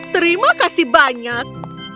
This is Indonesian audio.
terima kasih banyak